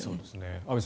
安部さん